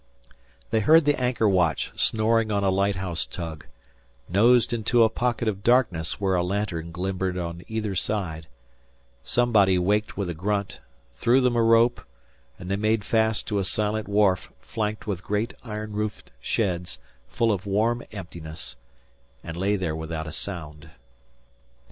They heard the anchor watch snoring on a lighthouse tug, nosed into a pocket of darkness where a lantern glimmered on either side; somebody waked with a grunt, threw them a rope, and they made fast to a silent wharf flanked with great iron roofed sheds fall of warm emptiness, and lay there without a sound.